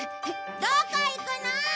どこ行くの？